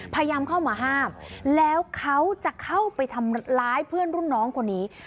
พยายามเข้ามาห้ามแล้วเขาจะเข้าไปทำร้ายเพื่อนรุ่นน้องคนนี้